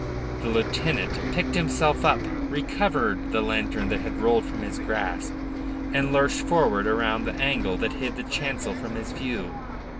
The lieutenant picked himself up, recovered the lantern that had rolled from his grasp, and lurched forward round the angle that hid the chancel from his view.